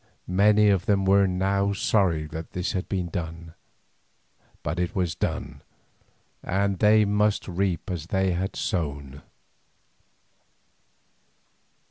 Many of them were now sorry that this had been done, but it was done, and they must reap as they had sown.